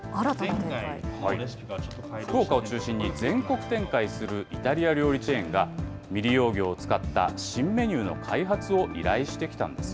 福岡を中心に全国展開するイタリア料理チェーンが、未利用魚を使った新メニューの開発を依頼してきたんです。